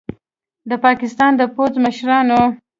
د پاکستان د پوځ مشرانو